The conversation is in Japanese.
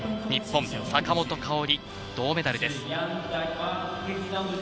日本、坂本花織が銅メダルです。